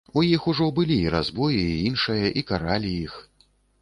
У іх ужо былі і разбоі, і іншае, і каралі іх.